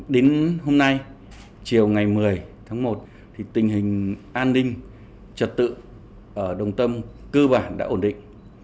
đến hôm nay chiều ngày một mươi tháng một tình hình an ninh trật tự ở đồng tâm cơ bản đã ổn định